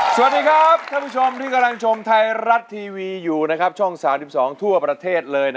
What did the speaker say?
สวัสดีครับท่านผู้ชมที่กำลังชมไทยรัฐทีวีอยู่ช่อง๓๒ทั่วประเทศเลย